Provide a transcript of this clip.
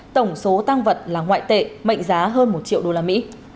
tổng số tăng vật là ngoại tệ mệnh giá hơn một triệu usd